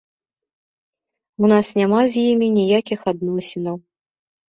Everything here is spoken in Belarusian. У нас няма з імі ніякіх адносінаў.